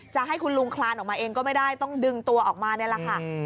จะให้คุณลุงคลานออกมาเองก็ไม่ได้ต้องดึงตัวออกมานี่แหละค่ะ